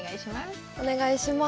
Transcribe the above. お願いします。